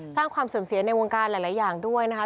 สร้างความเสื่อมเสียในวงการหลายอย่างด้วยนะคะ